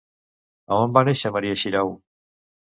A on va néixer Maria Xirau?